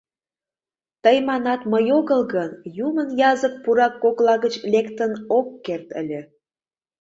Тый манат: «Мый огыл гын, «Юмын язык» пурак кокла гыч лектын ок керт ыле»...